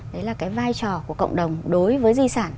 đấy là cái vai trò của cộng đồng đối với di sản